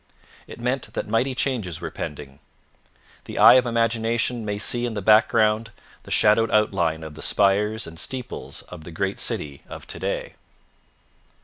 It meant that mighty changes were pending; the eye of imagination may see in the background the shadowed outline of the spires and steeples of the great city of to day.